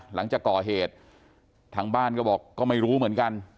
หลังจากก่อเหตุทางบ้านก็บอกก็ไม่รู้เหมือนกัน